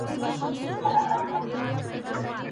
ماشومان له ورزش سره مینه لري.